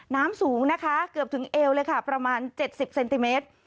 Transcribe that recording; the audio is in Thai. น้ำสูงนะคะเกือบถึงเอวเลยค่ะประมาณ๗๐เซนติเมตร